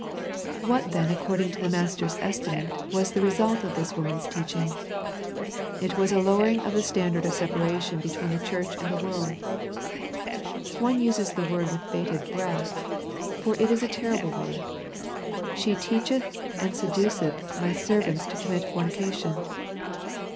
What then according to the Master's esti mate was the result of this woman's teach ing? It was a lowering of the standard of separation between the church and the world. One uses the very word with bated breath, for it is a terrible word. " She teacheth and se duceth My servants to commit fornication."